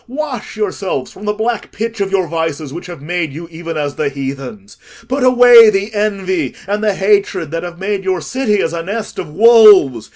Wash yourselves from the black pitch of your vices, which have made you even as the heathens: put away the envy and hatred that have made your city as a nest of wolves.